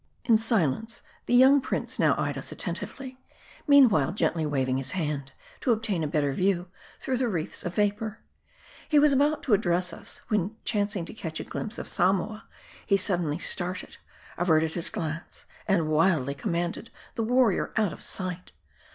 In silence the young prince now eyed us attentively ; meanwhile gently waving his hand, to obtain a better view through the wreaths of vapor. He was about to address us, when chancing to catch a glimpse of Samoa, he suddenly started ; averted his glance ; and wildly commanded the warrior out of sight.